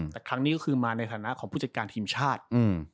แต่ครั้งนี้ก็คือมาในฐานะของผู้จัดการทีมชาติ